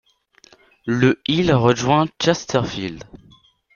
Le il rejoint Chesterfield.